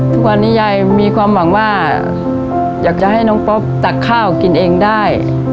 ทุกวันนี้ยายมีความหวังว่าอยากจะให้น้องป๊อปตักข้าวกินเองได้